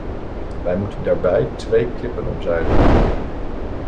Wij moeten daarbij twee klippen omzeilen.